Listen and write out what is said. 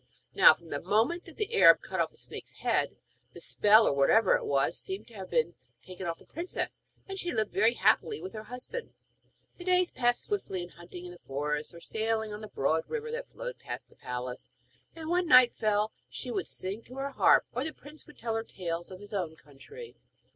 Now, from the moment that the Arab cut off the snake's head, the spell, or whatever it was, seemed to have been taken off the princess, and she lived very happily with her husband. The days passed swiftly in hunting in the forests, or sailing on the broad river that flowed past the palace, and when night fell she would sing to her harp, or the prince would tell her tales of his own country.